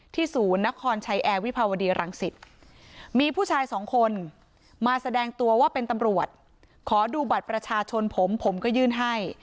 ศูนย์นครชัยแอร์วิภาวดีรังสิตมีผู้ชายสองคนมาแสดงตัวว่าเป็นตำรวจขอดูบัตรประชาชนผมผมก็ยื่นให้